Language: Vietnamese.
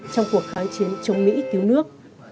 trong cuộc kháng chiến chống mỹ cứu nước